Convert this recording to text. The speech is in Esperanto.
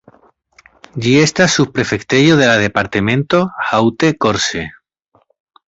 Ĝi estas subprefektejo de la departemento Haute-Corse.